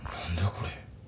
これ。